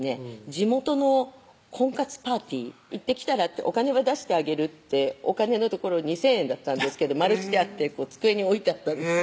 「地元の婚活パーティー行ってきたら？」って「お金は出してあげる」ってお金の所２０００円だったんですけど丸してあって机に置いてあったんですよ